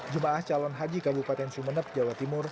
jemaah calon haji kabupaten sumeneb jawa timur